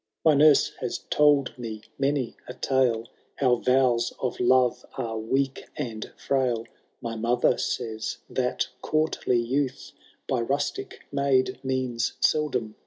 " My nurse has told me many a tale. How vows of love are weak and firail ; My mother says that courtly youth By rustic maid means seldom sooth.